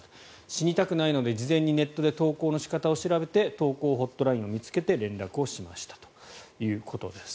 死にたくないので事前にネットで投降の仕方を調べて投降ホットラインを見つけて連絡をしましたということです。